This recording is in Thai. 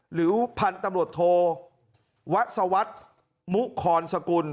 หรือพันธุ์ตำรวจโทวัสดิ์มุคอนสกุล